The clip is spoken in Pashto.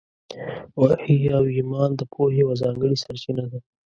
وحي او ایمان د پوهې یوه ځانګړې سرچینه ده.